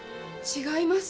違います。